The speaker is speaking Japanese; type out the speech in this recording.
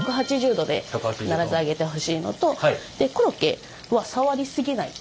１８０度で必ず揚げてほしいのとでコロッケは触りすぎない。